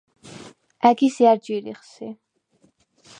ა̈გის ჲა̈რ ჯირიხ სი?